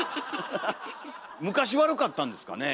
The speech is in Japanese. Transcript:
昔ワルかったんですかね。